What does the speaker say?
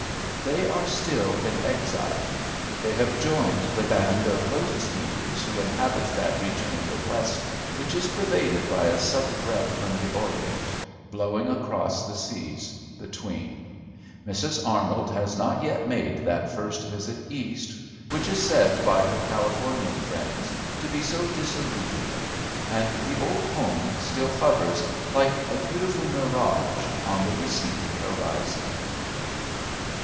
They are still in exile: they have joined the band of lotus eaters who inhabit that region of the West which is pervaded by a subtle breath from the Orient, blowing across the seas between. Mrs. Arnold has not yet made that first visit East which is said by her Californian friends to be so disillusioning, and the old home still hovers, like a beautiful mirage, on the receding horizon.